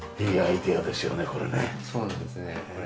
そうなんですよねこれ。